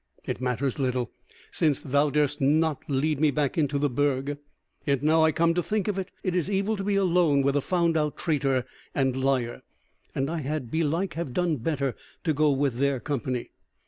It matters little, since thou durst not lead me back into the Burg. Yet now I come to think of it, it is evil to be alone with a found out traitor and liar; and I had belike have done better to go with their company."